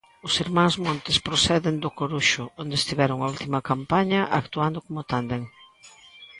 Os irmáns Montes proceden do Coruxo, onde estiveron a última campaña actuando como tándem.